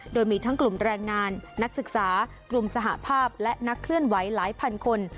โดยมีทั้งกลุ่มแรงงานนักศึกษากลุ่มสหภาพและนักเคลื่อนไหวหลายพันคน